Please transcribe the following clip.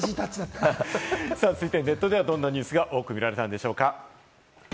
続いてネットではどんなニュースが多く見られたのでしょうか？